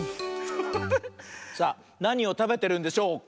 さあなにをたべてるんでしょうか？